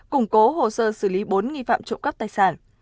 củng cố hồ sơ xử lý bốn nghi phạm trộm cắp tài sản